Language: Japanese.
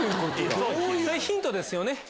それヒントですよね。